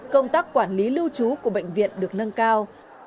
công tác quản lý lưu trú của bệnh viện được nâng cao